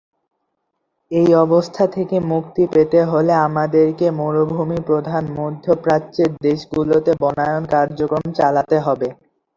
এই অবস্থা থেকে মুক্তি পেতে হলে আমাদেরকে মরুভূমি প্রধান মধ্যপ্রাচ্যের দেশগুলোতে বনায়ন কার্যক্রম চালাতে হবে।